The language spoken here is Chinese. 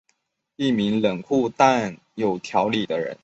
一个冷酷但有条理的人。